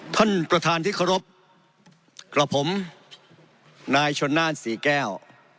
ท่านประธานที่เคารพกับผมนายชนน่านศรีแก้ว